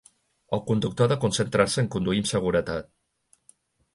El conductor ha de concentrar-se en conduir amb seguretat.